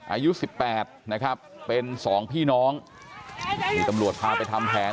อายุสิบแปดนะครับเป็นสองพี่น้องที่ตำรวจพาไปทำแผน